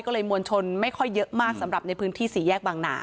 ก็เลยมวลชนไม่ค่อยเยอะมากสำหรับในพื้นที่สี่แยกบางนา